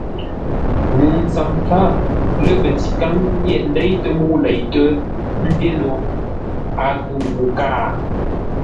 Ŋuu ntsəm pfǎr, lə́ pətikáŋ nyêʼ ndêitə́ mə́u leitə́, ńté no a ghʉ̂ ŋuu kâa.